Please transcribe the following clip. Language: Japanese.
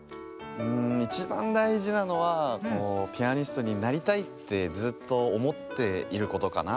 いちばんだいじなのはピアニストになりたいってずっとおもっていることかな。